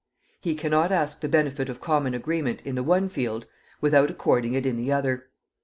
He cannot ask the benefit of common agreement in the one field without according it in the other.